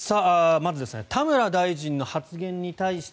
まず、田村大臣の発言に対して